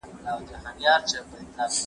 هغه وويل چي انځور روښانه دی!